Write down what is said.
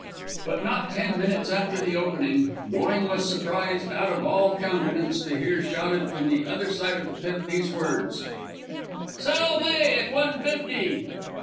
But not ten minutes after the opening, Going was surprised out of all countenance to hear shouted from the other side of the pit these words: "Sell May at one fifty."